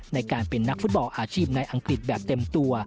ในการเป็นนักฟุตบอลอาชีพในอังกฤษแบบเต็มตัว